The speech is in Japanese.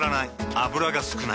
油が少ない。